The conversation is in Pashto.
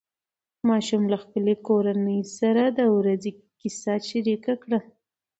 ماشوم له خپلې کورنۍ سره د ورځې کیسه شریکه کړه